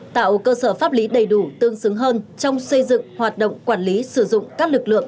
tạo cơ sở pháp lý đầy đủ tương xứng hơn trong xây dựng hoạt động quản lý sử dụng các lực lượng